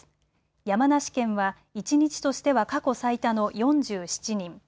山梨県は一日としては過去最多の４７人。